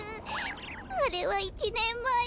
あれは１ねんまえ。